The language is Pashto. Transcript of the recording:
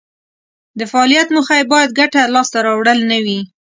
د فعالیت موخه یې باید ګټه لاس ته راوړل نه وي.